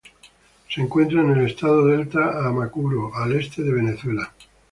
Se encuentra en el estado Delta Amacuro, al este de Venezuela.